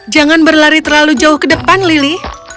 jangan berlari terlalu jauh ke depan lili